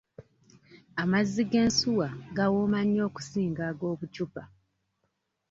Amazzi g'ensuwa gawooma nnyo okusinga ag'obucupa.